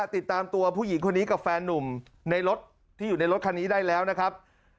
ติดตามตัวผู้หญิงคนนี้กับแฟนนุ่มในรถที่อยู่ในรถคันนี้ได้แล้วนะครับ